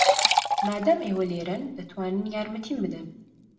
مادام ئێوە لێرەن، دەتوانن یارمەتیم بدەن.